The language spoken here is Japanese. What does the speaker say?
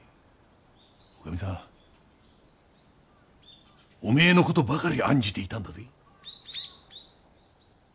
女将さんお前の事ばかり案じていたんだぜ。